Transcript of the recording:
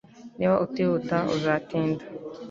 Niba utihuta uzatinda